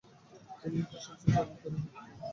তিনি ও হাসাসিনদের তৈরি হয়।